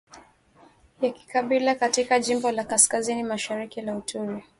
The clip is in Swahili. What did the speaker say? ya kikabila katika jimbo la kaskazini mashariki la Ituri